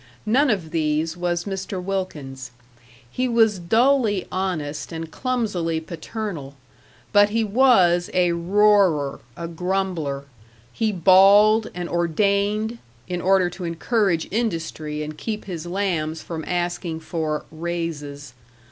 None of these was Mr. Wilkins. He was dully honest and clumsily paternal. But he was a roarer, a grumbler; he bawled and ordained, in order to encourage industry and keep his lambs from asking for "raises."